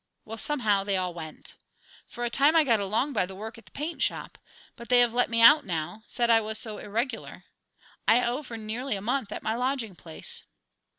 Well, somehow, they all went. For a time I got along by the work at the paint shop. But they have let me out now; said I was so irregular. I owe for nearly a month at my lodging place."